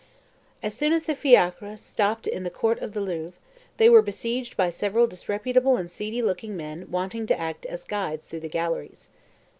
As soon as the fiacre stopped in the court of the Louvre, they were besieged by several disreputable and seedy looking men wanting to act as guides through the galleries.